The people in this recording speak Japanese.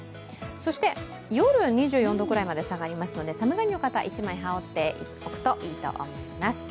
そして夜は２４度くらいまで下がりますので寒がりの方、一枚羽織っておくといいと思います。